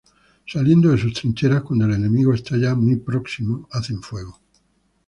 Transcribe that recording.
Saliendo de sus trincheras cuando el enemigo está ya muy próximo hacen fuego.